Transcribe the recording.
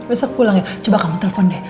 besok pulang ya coba kamu telpon deh